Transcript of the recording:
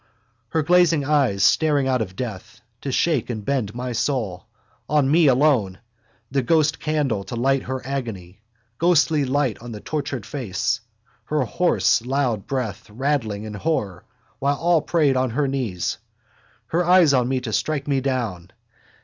Her glazing eyes, staring out of death, to shake and bend my soul. On me alone. The ghostcandle to light her agony. Ghostly light on the tortured face. Her hoarse loud breath rattling in horror, while all prayed on their knees. Her eyes on me to strike me down.